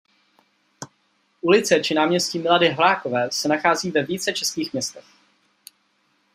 Ulice či náměstí Milady Horákové se nachází ve více českých městech.